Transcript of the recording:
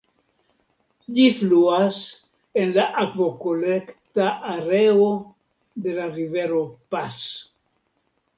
Ĝi fluas en la akvokolekta areo de la rivero Pas.